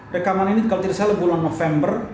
rekaman ini kalau tidak salah bulan november